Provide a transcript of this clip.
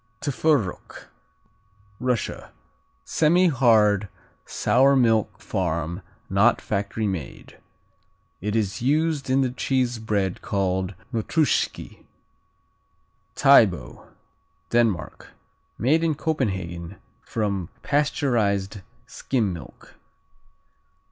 Tworog Russia Semihard sour milk farm (not factory) made. It is used in the cheese bread called Notruschki. Tybo Denmark Made in Copenhagen from pasteurized skim milk.